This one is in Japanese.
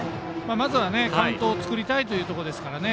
まずはカウントを作りたいというところですからね。